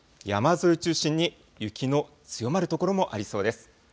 山沿いを中心に雪の強まる所もありそうです。